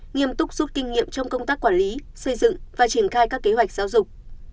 nghiêm túc rút kinh nghiệm trong công tác quản lý xây dựng và triển khai các kế hoạch giáo dục